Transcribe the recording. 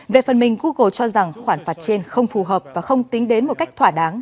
về phần mình google cho rằng khoản phạt trên không phù hợp và không tính đến một cách thỏa đáng